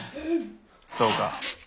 そうか。